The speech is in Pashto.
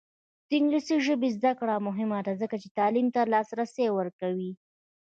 د انګلیسي ژبې زده کړه مهمه ده ځکه چې تعلیم ته لاسرسی ورکوي.